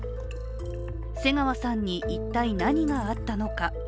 瀬川さんに一体何があったのか。